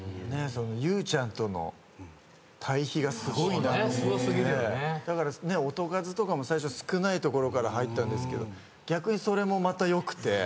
ゆうちゃんとの対比がすごいなと思って音数とかも最初少ないところから入ったんですけど逆にそれもまた良くて。